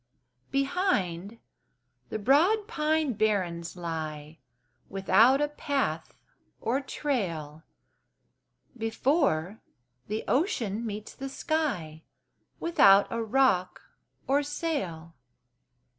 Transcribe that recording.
Behind, the broad pine barrens lie Without a path or trail, Before, the ocean meets the sky Without a rock or sail.